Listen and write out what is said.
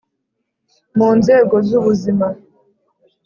mu nzego zu buzima